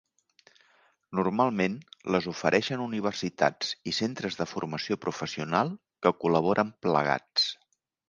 Normalment les ofereixen universitats i centres de formació professional que col·laboren plegats.